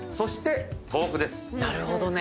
なるほどね。